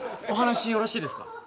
お話よろしいですか？